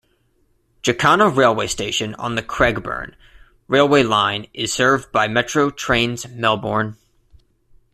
Jacana railway station on the Craigieburn railway line is served by Metro Trains Melbourne.